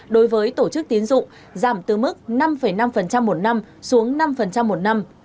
đối với tổ chức tiến dụng giảm từ mức năm năm một năm xuống năm một năm